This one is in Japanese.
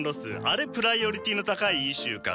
あれプライオリティーの高いイシューかと。